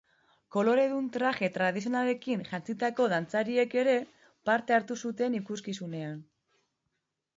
Koloredun traje tradizionalekin jantzitako dantzariek ere parte hartu zuten ikuskizunean.